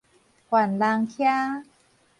犯人欹